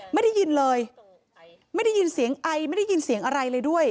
ไม่ได้ยินเลยไม่ได้ยินเสียงไอไม่ได้ยินเสียงอะไรเลยด้วย